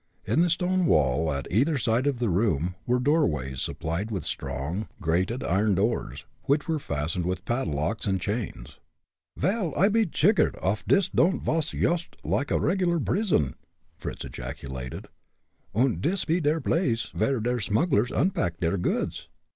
In the stone wall, at either side of the room, were doorways supplied with strong, grated iron doors, which were fastened with padlocks and chains. "Vel, I be jiggered off dis don'd vas yoost like a regular brizon," Fritz ejaculated; "und dis pe der blace vere der smugglers unpack deir goods.